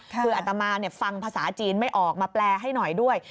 คืออัตมาฟังภาษาจีนไม่ออกมาแปลให้หน่อยด้วย